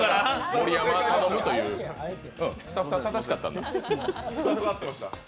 盛山、頼むというスタッフさん、正しかったんだ。